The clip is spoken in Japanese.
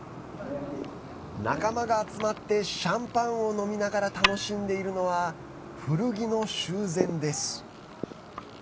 仲間が集まってシャンパンを飲みながら楽しんでいるのは古着の修繕です。